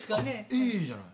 いいじゃない。